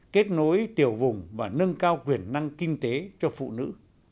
kết nối tiểu vùng và nâng cao quyền năng kinh tế cho phụ nữ